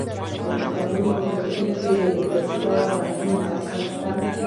د پښتنو په کلتور کې د دستار بندی مراسم شته.